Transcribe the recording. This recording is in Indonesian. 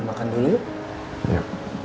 makan dulu ya